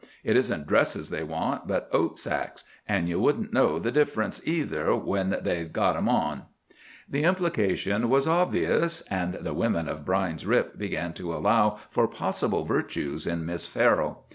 It isn't dresses they want, but oat sacks, and you wouldn't know the difference, either, when they'd got them on." The implication was obvious; and the women of Brine's Rip began to allow for possible virtues in Miss Farrell.